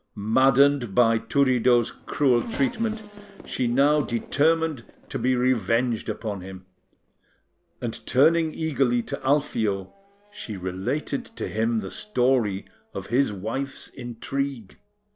Maddened by Turiddu's cruel treatment, she now determined to be revenged upon him, and, turning eagerly to Alfio, she related to him the story of his wife's intrigue.